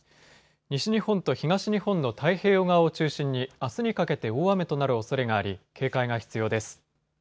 西日本と東日本の太平洋側を中心にあすにかけて大雨となるおそれがあり警戒が必要です。